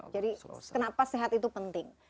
jadi kenapa sehat itu penting